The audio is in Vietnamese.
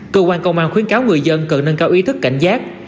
cơ quan công an khuyến cáo người dân cần nâng cao ý thức cảnh giác